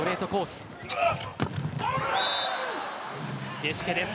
ジェシュケです。